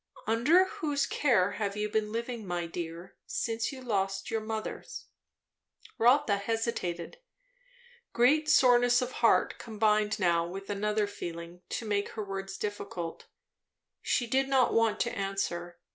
"Under whose care have you been living, my dear, since you lost your mother's?" Rotha hesitated. Great soreness of heart combined now with another feeling to make her words difficult. She did not at all want to answer.